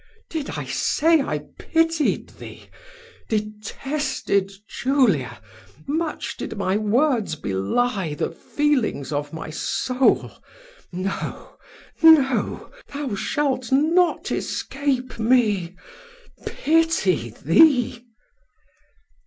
"Did I say that I pitied thee? Detested Julia, much did my words belie the feelings of my soul. No no thou shalt not escape me. Pity thee!"